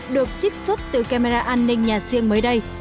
được trích xuất từ camera an ninh nhà riêng mới đây